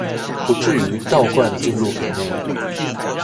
不致於倒灌進入瓶內